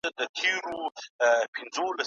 په سړک باندې ترافیک ډېر ورو روان وو.